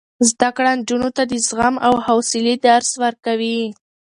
زده کړه نجونو ته د زغم او حوصلې درس ورکوي.